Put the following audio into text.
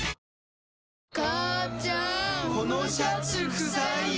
母ちゃんこのシャツくさいよ。